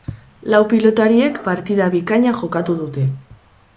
Lau pilotariek partida bikaina jokatu dute.